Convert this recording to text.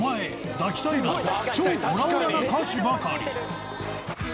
「抱きたい」など超オラオラな歌詞ばかり。